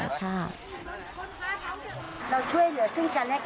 ซึ่งกันและกันมีน้ำใจเพราะว่าช้างเนี้ยก็เป็นสัตว์เอ่อ